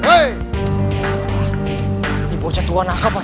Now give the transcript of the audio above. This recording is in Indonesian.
wah ini bocah tua nakal pak